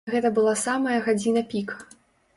Гэта была самая гадзіна пік.